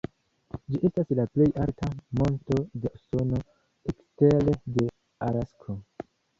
Ĝi estas la plej alta monto de Usono ekstere de Alasko.